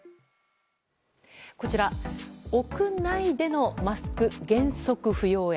こちら屋内でのマスク原則不要へ。